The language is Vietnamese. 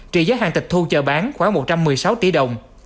trị giá hàng tịch thu chợ bán khoảng một trăm một mươi sáu tỷ đồng